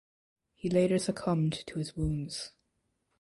He later succumbed to his wounds.